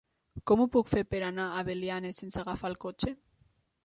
Com ho puc fer per anar a Belianes sense agafar el cotxe?